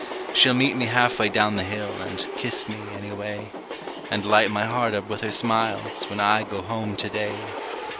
She'll meet me half way down the hill, and kiss me, any way; And light my heart up with her smiles, when I go home to day!